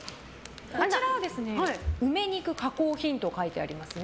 こちらは梅肉加工品と書いてありますね。